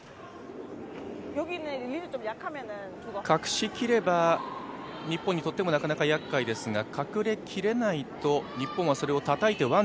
隠しきれば、日本にとってもなかなかやっかいですが隠れきれないと日本はそれをたたいて